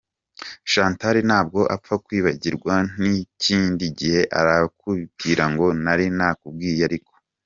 Chantal ntabwo apfa kwibagirwa n’ikindi gihe arakubwira ngo nari narakubwiye ariko.